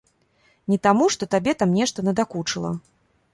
Не таму, што табе там нешта надакучыла.